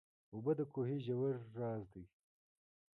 اوبه د کوهي ژور راز دي.